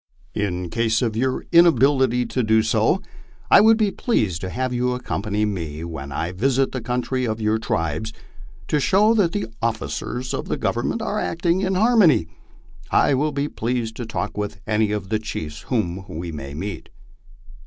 In case of your inability to do so, I would be pleased to have you accompany me when I visit the country of your tribes, to show that the officers of the Government are acting in harmony. I will be pleased to talk with any of the chiefs whom we may meet."